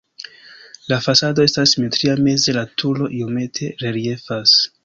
La fasado estas simetria, meze la turo iomete reliefas.